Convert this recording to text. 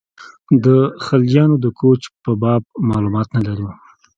د خلجیانو د کوچ په باب معلومات نه لرو.